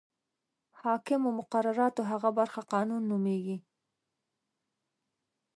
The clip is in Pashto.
حاکمو مقرراتو هغه برخه قانون نومیږي.